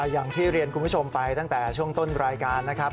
อย่างที่เรียนคุณผู้ชมไปตั้งแต่ช่วงต้นรายการนะครับ